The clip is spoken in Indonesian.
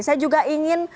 saya juga ingin